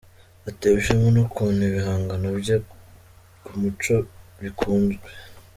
Atewe ishema n’ukuntu ibihangano bye ku muco bikunzwe